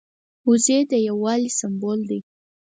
وزې د یو والي سمبول دي